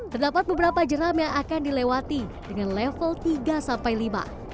terdapat beberapa jeram yang akan dilewati dengan level tiga sampai lima